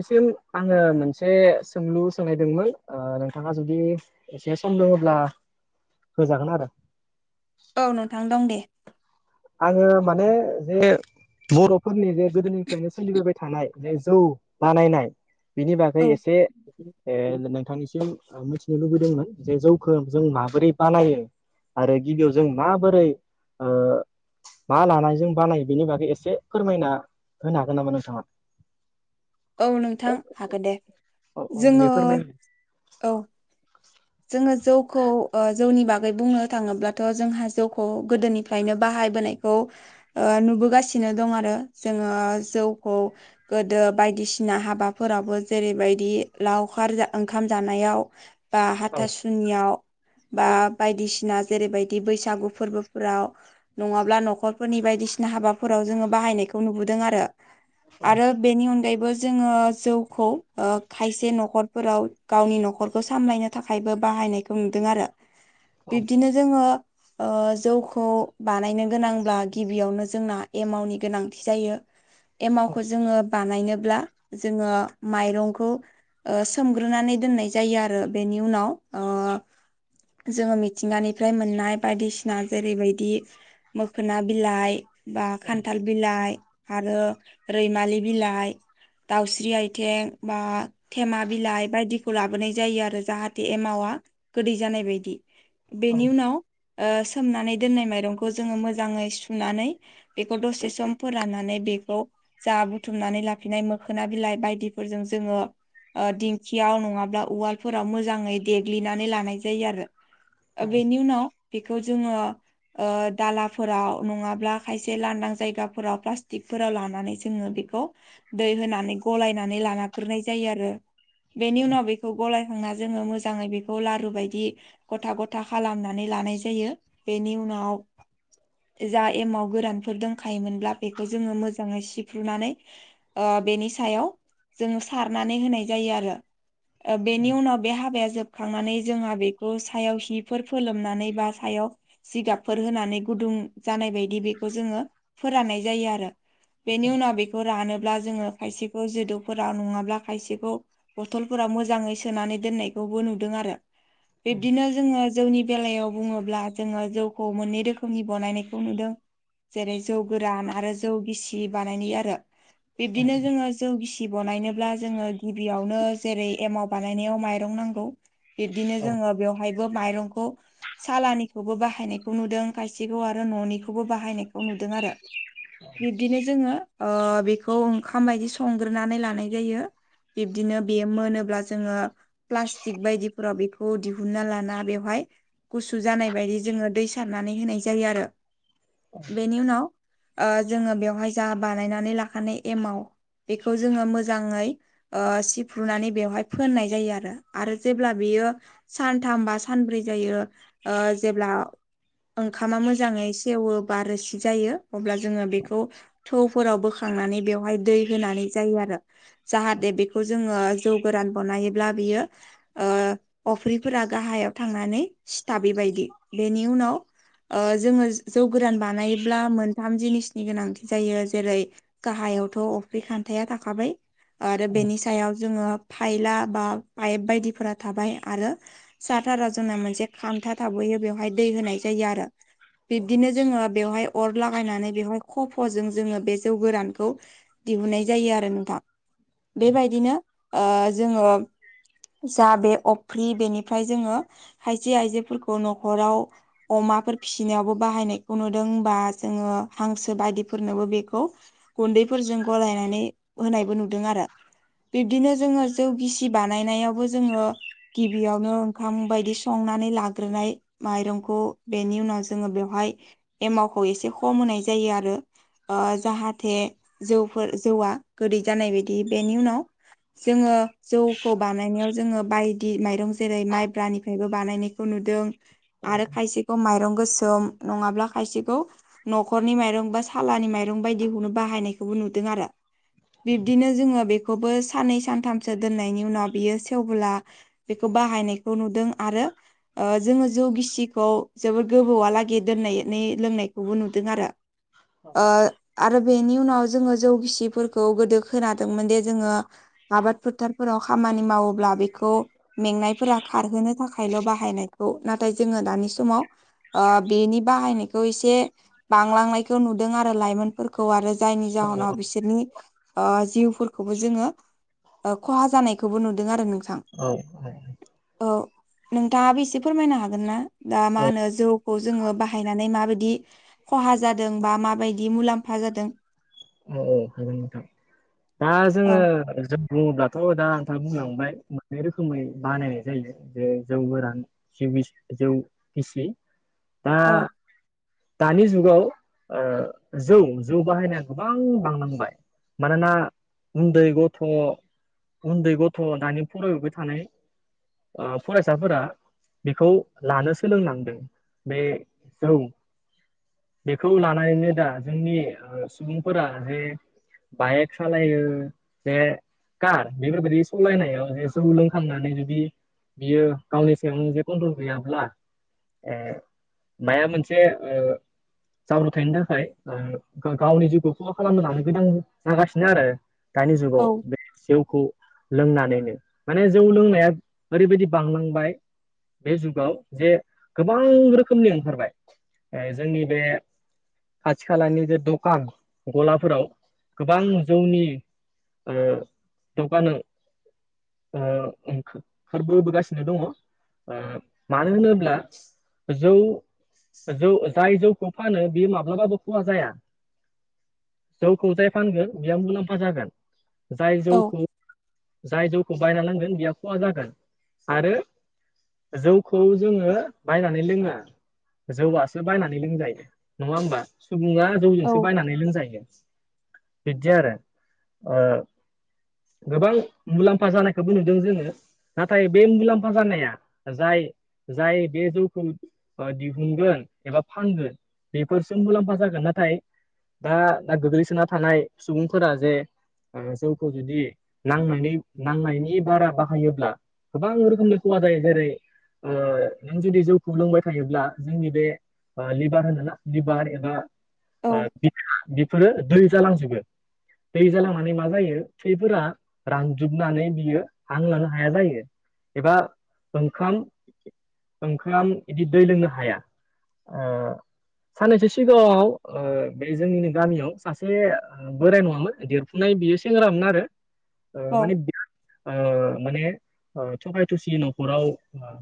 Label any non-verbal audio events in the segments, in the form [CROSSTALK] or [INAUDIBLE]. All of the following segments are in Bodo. निसिम आङो मोनसे सोंलु सोंनो नायदोंमोन नोंथाङा जुदि एसे सम दोङोब्ला होजागोन आरो औ नोंथां दं दे आङो माने जे बर'फोरनि जे गोदोनिफ्रायनो सोलिबोबाय थानाय जे जौ बानायनाय बिनि बागै औ एसे ए नोंथांनिसिम मिथिनो लुबैदोंमोन जे जौख् जों माबोरै बानायो आरो गिबियाव जों माबोरै मा लानायजों बानायो बेनि बागै एसे फोरमायना होनो हागोन नामा नोंथाङा औ नोंथां हागोन दे औ औ दे जोङो फोरमाय औ जोङो जौखौ जौनि बागै बुंनो थाङोब्लाथ' जोंहा जौखौ गोदोनिफ्रायनो बाहायबोनाय बे खौ नुबोगासिनो दं आरो जोङो जौखौ गोदो बायदिसिना हाबाफोरावबो जेरैबायदि लावखार ओंखाम जानायाव बा औ हाथासुनियाव बा बायदिसिना जेरैबायदि बैसागु फोरबोफोराव नङाब्ला न'खरफोरनि बायदिसिना हाबाफोराव जोङो बाहायनायखौ नुबोदों आरो औ आरो बेनि अनगायैबो जोङो जौखौ खायसे न'खरफोराव गावनि न'खरखौ सामलायनो थाखायबो बाहायनायखौ नुदों आरो औ बिब्दिनो जोङो जौखौ बानायनो गोनांब्ला गिबियावनो जोंना एमावनि गोनांथि जायो एमावखौ जोङो बानायनो जोङो माइरंखौ सोमग्रोनानै दोननाय जायो आरो बेनि उनाव जोङो मिथिंगानिफ्राय मोननाय बायदिसिना जेरैबायदि मोखोना बिलाइ बा खान्थाल बिलाइ आरो रैमालि बिलाइ दाउस्रि आयथिें बा थेमा बिलाइ बायदिखौ लाबोनाय जायो आरो जाहाथे एमावा गोदै जानाय बायदि औ बेनि उनाव सोमनानै दोननाय माइरंखौ जोङो मोजाङै सुनानै बेखौ दसे सम फोराननानै बेखौ जा बुथुमनानै लाफिनाय मोखोना बिलाइ बायदिफोरजों जोङो दिंखियाव नङाब्ला उवाल फोराव मोजाङै देग्लिनानै लानाय जायो आरो बेनि उनाव बेखौ जोङो दालाफोराव नङाब्ला खायसे लांदां जायगाफोराव प्लास्टिकफोराव लानानैसो जोङो बेखौ दै होनानै गलायनानै लानााग्रोनाय जायो आरो। बेनि उनाव बेखौ गलायखांना जोङो मोजाङै बेखौ लारु बायदि गथा गथा खालामनानै लानाय जायो बेनि उनाव जा एमाव गोरानफोर दंखायोमोनब्ला बेखौ जोङो मोजाङै सिफ्रुनानै बेनि सायाव जोङो सारनानै होनाय जायो आरो। ओ बेनि उनाव बे हाबाया जोबखांनानै जोंहा बेखौ सायाव हिफोर फोलोमनानै बा सायाव जिगाबफोर होनानै गुदुं जानाय बायदि बेखौ जोङो फोराननाय जायो आरो। बेनि उनाव बेखौ रानो। दा जोङो जिदौफोरा नङाब्ला आरो खायसेखौ बथलफोराव मोजाङै सोनानै दनायखौबो नुदों आरो बिबनो जोङो जनि बेलायाव बुङोब्ला जोङो जौखौ मोननै रोखोमनि बनायनायखौ नुदों। जेरै जौ गोरान आरो जौ गिसि बानायनायनि आरो औ बिब्दिनो जोङो जौ गिसि बनायनोब्ला जोङो गिबियावनो जेरै एमाव बानायनायाव माइरं नांगौ बिदिनो औ जोङो बेयावहायबो माइरंखौ सालानिखौबो बाहायनायखौ नुदों खायसेखौ आरो न'निखौबो बाहायनायखौ नुदों आरो बिब्दिनो जोङो बेखौ ओंखाम बायदि संग्रोनानै लानाय जायो बिब्दिनो बे मोनोब्ला जोङो प्लास्टिक बायदिफोराव बेखौ दिहुनन्ना लाना बेवहाय गुसु जानाय बायदि जोङो दै सारनानै होनाय जायो आरो बेनि उनाव जोङो बेवहाय जाह बानायनानै लाखानाय एमाव बेखौ जोङो मोजाङै सिफ्रुनानै बेवहाय फोननाय जायो आरो आरो जेब्ला बियो। सानथाम बा सानब्रै जायो जेब्ला ओंखामा मोजाङै सेवो बाार रो सि जायो अब्ला जोङो बेखौ थौफोराव बोखांनानै बेवहाय दै होनानै जायो आरो। जाहाथे बेखौ जोङो जौ गोरान बनायोब्ला बियो। अफ्रिफोरा गाहायाव थांनानै सिथाब बेबायदि बेनि उनाव जोङो जौ गोरान बानायोब्ला मोनथाम जिनिसनि गोनांथि जायो जेरै गाहायावथ' अफ्रि खान्थाया थाखाबाय आरो बेनि सायाव जोङो थायला बा पाइप बायदिफोरा थाबाय आरो साथारा जना मोनसे खामथा थाबोयो बेवहाय दै होनाय जायो आरो। बिब्दिनो जोङो बेवहाय अर लागायनानै बेवहाय खफ'जों जोङो बे जौ गोरानखौ दिहुननाय जायो आरो नोंथां बेबायदिनो जोङो जा बे अफ्रि बेनिफ्राय जोङो खायसे आइजोफोरखौ न'खराव अमाफोर फिसिनायावबो बाहायनायखौ नुदों बा जोङो हांसो बायदिफोरनोबो बेखौ गुन्दैफोरजों गलायनानै होनायबो नुदों आरो। बिदिनो जोङो जौ गिसि बानायनायावबो जोङो गिबियावनो ओंखाम बायदि संनानै लाग्रोनाय माइरंखौ बेनि उनाव जोङो बेवहाय एमावखौ एसे खम होनाय जायो आरो। जाहाथे जौफोर जौआ गोदै जानाय बायदि बेनि उनाव जोङो जौखौ बानायनायाव जोङो बायदि माइरं जेरै माइब्रानिफ्रायबो बानायनाय खौ नुदों औ आरो खायसेखौ माइरं गोसोम नङाब्ला खायसेखौ न'खरनि माइरं बा सालानि माइरं बायदिखौनो बाहायनायखौबो नुदों आरो। बिब्दिनो जोङो बेखौबो सानैन सानथामसो दोननायनि उनाव बियो सेवबोला बेखौ बाहायनायखौ नुदों आरो जोंङो जौ गिसिखौ जोबोर गोबौआलागै दोननानै लोंनायखौबो नुदों आरो ओ आरो बेनि उनाव जोंङो जौ गिसि फोरखौ गोदो खोनादोंमोन जे जोंङो आबाद फोथारफोराव खामानि मावोब्ला बेखौ मेंनायफोरा खारहोनो थाखायल' बाहायनायखौ नाथाय जोंङो दानि समाव बेनि बाहायनायखौ एसे बांलांनायखौ नुदों आरो लाइमोन फोरखौ आरो जायनि जाहोनाव ओ बिसोरनि जिउफोरखौबो जोंङो खहा जानायखौबो नुदों आरो नोंथां औ औ औ नोंथांङाबो एसे फोरमायनो हागोन ना दा मा औ होनो जौखौ जोंङो बाहायनानै माबायदि खहा जादों बा माबायदि मुलाम्फा जादों। औ औ हागोनथां दा औ जोंङो जों बुंङोब्लाथ दा नोंथां बुंलांबाय बे रोखोमै बानायनाय जायो जे जौ गोरान जौ गिसि दा औ दानि जुगाव जौ जौ बाहायनाया गोबां बांलांबाय मानोना उन्दै गथ' उन्दै गथ' दानि फरायबोबाय थानाय फरायसाफोरा बेखौ लानो सोलोंलांदों बे जौ बेखौ लानानैनो दा जोंनि सुबुंफोरा जे बाइक सालायो बे कार बेफोरबायदि सलायनायाव जे जौ लोंखांनानै जुदि बियो गावनि सायाव मोनसे कन्ट्रल गैयाब्ला ए माया मोनसे ओ जाब्रबथायनि थाखाय गावनि जिउखौ खहा खालामनो लानो गोनां जागासिनो आरो दानि औ जुगाव जौखौ लोंनानैनो माने जौ लोंनाया ओरैबायदि बांलांबाय बे जुगाव जे गोबां रोखोमनि ओंखारबाय जोंनि बे खाथि खालानि जे दखान गलाफोराव गोबां जौनि ओ [UNINTELLIGIBLE] ओ फोरबो होबोगासिनो दंङो मानो होनोब्ला जौ जौ जाय जौखौ फानो बियो माब्लाबाबो खहा जाया। जौखौ जाय फानगोन बेयाव मुलाम्फा जागोन जाय औ जौखौ जाय जौ खौ बायना नांगोन बेहा खहा जागोन आरो जौखौ जोंङो बायनानै लोंङो जौवासो बायनानै लोंजायो नंङा होमबा सुबुंङा औ जौजोंसो बायनानै लोंजायो बिदि आरो गोबां मुलाम्फा जानायखौबो नुदों जोंङो नाथाय बे मुलाम्फा जानाया जाय जाय बे जौखौ नुगोन एबा फानगोन बेफोरसो मुलाम्फा जागोन नाथाय दा ना गोग्लैसोना थानाय सुबुंफोरा जे जौखौ जुदि नांनायनि नांनायनि बारा बा हायोब्ला गोबां रोखोमनि खहा जायो जेरै ओ नों जुदि जौखौ लोंबाय थायोब्ला जोंनि बे ओ लिभार होनोना लिभार एबा औ बिखा बेफोरो दै जालांजोबो दै जालांनानै मा जायो थैफोरा रानजोबनानै बियो हां लानो हाया जायो एबा ओंखाम ओंखाम इदि दै लोंनो हाया ओ साननैसो सिगांङाव ओ बे जोंनिनो गामियाव सासे बोराइ नंङामोन देरफुनाय बियो सेंग्रामोन आरो औ माने ओ माने ओ थगाय थसि न'खराव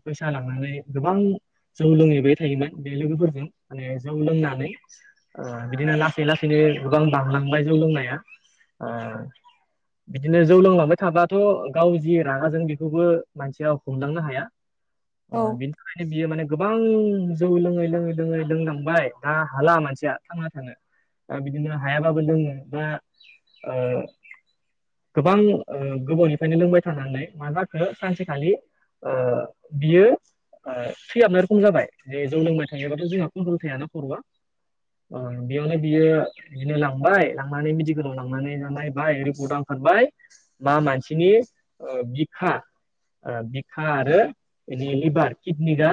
फैसा लांनानै गोबां जौ लोङै थायोमोन बे लोगोफोरजों माने जौ लोंनानै। ओ बिदिनो लासै लासैनो गोबां बांलांबाय जौ लोंनाया ओ बिदिनो जौ लोंलांबाय थाबाथ' गाव जि रागा जोङो बेखौबो मानसिया हमदांनो हाया। [INAUDIBLE] अ बिनि थाखायनो बियो माने गोबां। जौ लोङै लोङै लोङै लोंलांबाय दा हाला मानसिया थांना थानो। बिदिनो हायाबाबो लोङो बा ओ गोबां ओ गोबावनिफ्रायनो लोंबाय थानानै मा जाखो सानसेखालि ओ बियो ओ थैयाबनाय रोखोम जाबाय जे जौ लोंबाय थायोबाथ' जोंहा खनथ्रल थायाना खर'आ ओ बेयावनो बियो। बिदिनो लांबाय लांनानै मेडिकेलाव लांनानै नायबाय रिपर्ट आ ओंखारबाय। मा मानसिनि बिखा ओ बिखा आरो बेनि लिभार किडनि दा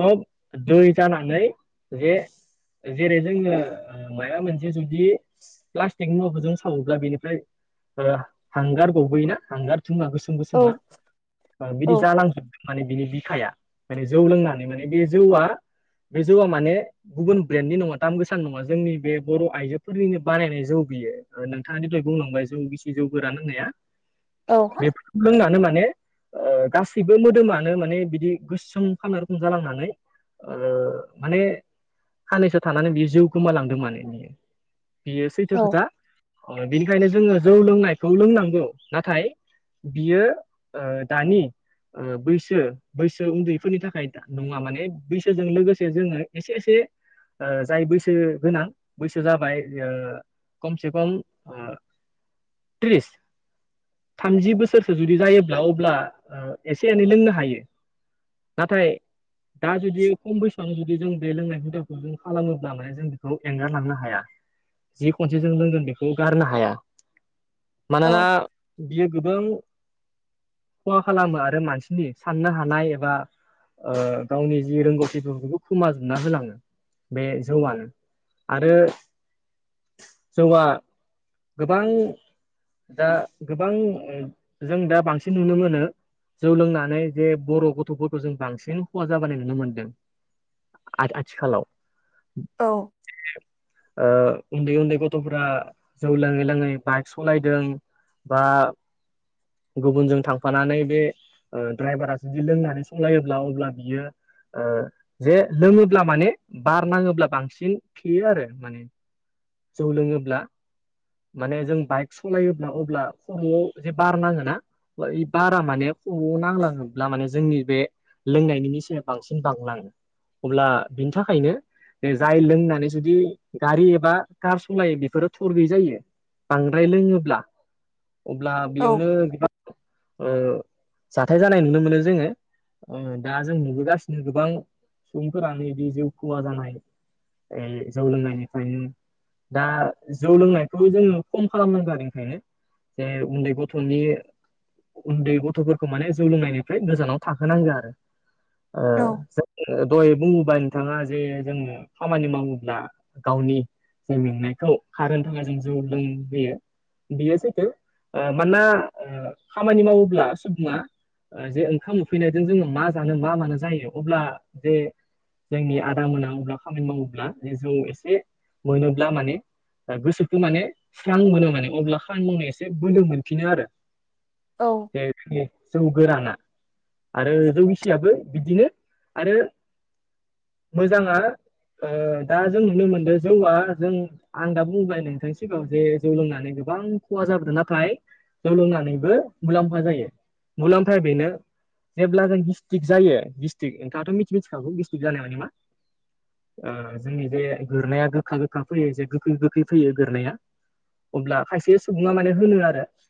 सब दै जाना नै जे जेरै जोंङो माबा मोनसे जुदि प्लास्टिक मुवाफोर जों सावोब्ला बेनिफ्राय ओ हांगार ओ गबोयोना हांगार थुङा गोसो औ गोसोम गोसोमा बिदि औ जालांजोबदों माने बिनि बिखाया माने जौ लोंनानै माने बे जौआ बे जौआ माने गुबुन ब्रेन्डनि नङा दाम गोसान नङा जोंनि बे बर' आइजोफोरनिनो बानायनाय जौ बेयो नोंथाङादि दहाय बुंलांबाय जौ गिसि जौ गोरान होननाया औ। बेफोरखौ लोंनानै माने गासैबो मोदोमानो माने बिदि गोसोोम फानना रुखोम जालांनानै माने साननैसो थानानै बियो जिउ गोमालांदों माने बियो। बियो सैथो औ खोथा बेनिखायनो जोङो जौ लोंनायखौ लोंनांगौ नाथाय। बियो दानि बैसो बैसो उन्दैफोरनि थाखाय नङा माने बैसोजों लोगोसे जोङो एसे एसे जाय बैसो गोनां बैसो जाबाय खमसे खम त्रिस थामजि बोसोरसो जुदि जायोब्ला अब्ला एसे एनै लोंनो हायो। नाथाय दा जुदि खम बैसोआवनो जुदि जों बे लोंनाय खुथाखौ जों खालामोब्ला माने जों बेखौ एंगारलांनो हाया। जि खनसे जों लोंगोन बेखौ गारनो हाया मानोना बियो गोबां खहाा खालामो आरो मानसिनि साननो हानाय एबा। गावनि जि रोंगौथि बेखौ खोमाजोबना होलाङो बे जौआवनो आरो जौआ गोबां। दा गोबां जों दा बांसिन नुनो मोनो। जौ लोंनानै जे बर' गथ'फोरखौ जों बांसिन खहा जाबाय नुनो मोनदों आथिखालाव औ। उन्दै उन्दै गथ'फोरा जौ लोङै लाोङै बाइक सालायदों। बा गुबुनजों थांफानानै बे दड्राइभारा जुदि लोंनानै समलायोब्ला अब्ला। बियो ओ जे लोङोब्ला माने बार नाङोब्ला बांसिन थेयो आरो माने जौ लोङोब्ला माने जों बाइक सालायोब्ला अब्ला खर'आव जे बार नाङोना? बारा माने खरवाव नांलाङोब्ला माने जोंनि बे लोंनायनि निसाया बांसिन बांलाङो अब्ला बिनि थाखायनो बे जाय लोंनानै जुदि गारि एबा कार सालायो बेफोरो थर गैयै जायो। बांद्राय लोङोब्ला अब्ला बेयावनो गोबां ओ जाथाय जानाय नुनो मोनो जोङो दा जों नुबोगासिनो गोबां सुबुंफोरानो बिदि जिउ खहा जानाय जौ लोंनायनिफ्रायनो दा जौ लोंनायखौ जोङो खम खालामनांगौ आरो ओंखायनो जे उन्दै गथ'नि उन्दै गथ'फोरखौ माने जौ लोंनायनिफ्राय गोजानाव थाहोनांगो आरो ओ औ दहाय बुङोबा नोंथाङा जे जोंङ खामानि मावोब्ला गावनि जों मेंनायखौ खारहोनायनि थाखाय जों जौ लोंहोयो। बेयो सैथो मानोना खामानि मावोब्ला सुबुङा जे ओंखाम उफैनायजों जोङो मा जानो मा मानो जायो अब्ला जे जोंनि आदा मोना अब्ला खामानि मावोब्ला जौ एसे मोनोब्ला माने दा गोसोखौ माने स्रां मोनो माने अब्ला खामानि मावनायाव एसे बोलो मोनफिनो आरो। औ जे जौ गोराना आरो जौनि खुसियाबो बिदिनो आरो मोजाङा ओ दा जों नुनो मोनदों जौआ जों आं दा बुंबाय नोंथांनि सिगाङाव जे जौ लोंनानै गोबां खहा जाबोदों नाथाय जौ लोंनानैबो मुलाम्फा जायो मुलाम्फाया बेनो जेब्ला जों गिस्टि्रिक जायो गिसरिक नोंथाङथ' मिथि मिथिखौ गिस्टि्रिक जानाय माने मा? जोंनि बेे गोरनाया गोखा गोखा फैयो जे गोखै गोखै फैयो गोरनाया। अब्ला खायसे सुबुङा माने होनो आरो